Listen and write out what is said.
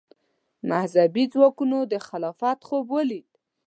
مذهبي ځواکونو د خلافت خوب ولید